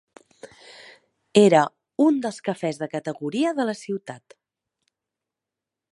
Era un dels cafès de categoria de la ciutat.